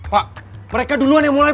pak mereka duluan yang mulai